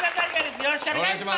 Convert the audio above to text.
よろしくお願いします。